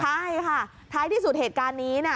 ใช่ค่ะท้ายที่สุดเหตุการณ์นี้นะ